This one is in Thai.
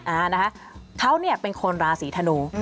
อ่านะคะเขาเป็นคนราศีธนู